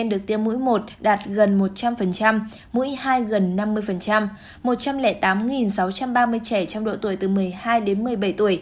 được tiêm mũi một đạt gần một trăm linh mũi hai gần năm mươi một trăm linh tám sáu trăm ba mươi trẻ trong độ tuổi từ một mươi hai đến một mươi bảy tuổi